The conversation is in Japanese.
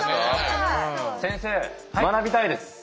先生学びたいです。